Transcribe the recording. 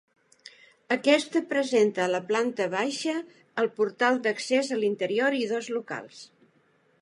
Aquesta presenta a la planta baixa el portal d'accés a l'interior i dos locals.